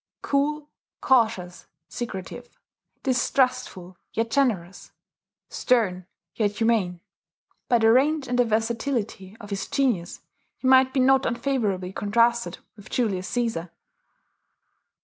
Cool, cautious, secretive, distrustful, yet generous, stern, yet humane, by the range and the versatility of his genius he might be not unfavourably contrasted with Julius Caesar.